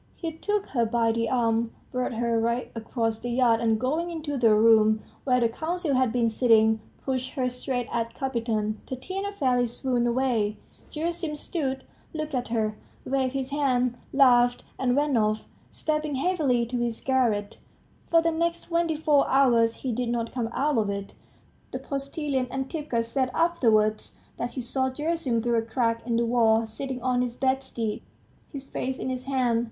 ... He took her by the arm, whirled her right across the yard, and going into the room where the council had been sitting, pushed her straight at Kapiton. Tatiana fairly swooned away. ... Gerasim stood, looked at her, waved his hand, laughed, and went off, stepping heavily, to his garret. ... For the next twenty four hours he did not come out of it. The postilion Antipka said afterwards that he saw Gerasim through a crack in the wall, sitting on his bedstead, his face in his hand.